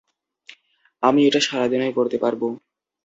আমি এটা সারাদিনই করতে পারব।